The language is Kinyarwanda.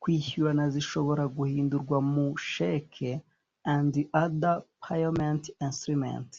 Kwishyurana zishobora guhindurwa mu cheques and other payment instruments